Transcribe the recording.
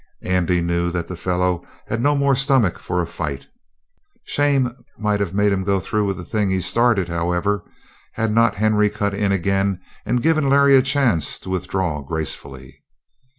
Andy knew that the fellow had no more stomach for a fight. Shame might have made him go through with the thing he started, however, had not Henry cut in again and given Larry a chance to withdraw gracefully.